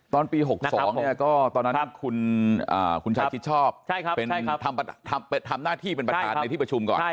ตอนปี๖๒ก็ตอนนั้นคุณชายชิดชอบทำหน้าที่เป็นประธานในที่ประชุมก่อน